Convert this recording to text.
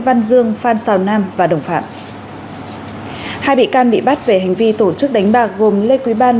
văn dương phan xào nam và đồng phạm hai bị can bị bắt về hành vi tổ chức đánh bạc gồm lê quý ban